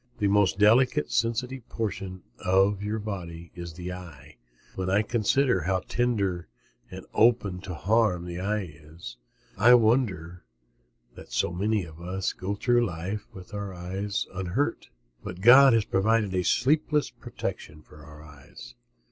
The most delicate, sensitive portion of your body is the eye. When I consider how tender and open to harm the eye is I wonder that so many of us go through life with our eyes unhurt. But God has provided a sleepless protection for our eyes.